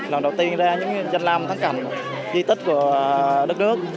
lần đầu tiên ra như là trang lâm thắng cảnh di tích của đất nước